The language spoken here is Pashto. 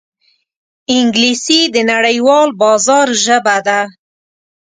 انګلیسي د نړیوال بازار ژبه ده